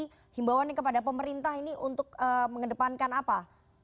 jadi himbawannya kepada pemerintah ini untuk mengedepankan apa